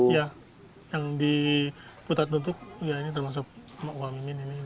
ya yang di putat betuk ya ini termasuk emak wang ini